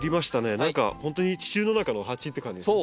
何かほんとに地中の中の鉢って感じですね。